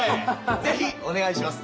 是非お願いします。